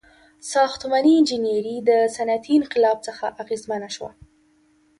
• ساختماني انجینري د صنعتي انقلاب څخه اغیزمنه شوه.